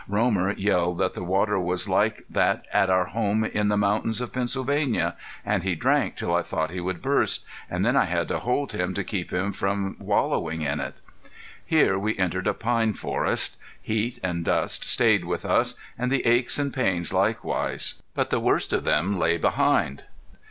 Romer yelled that the water was like that at our home in the mountains of Pennsylvania, and he drank till I thought he would burst, and then I had to hold him to keep him from wallowing in it. Here we entered a pine forest. Heat and dust stayed with us, and the aches and pains likewise, but the worst of them lay behind.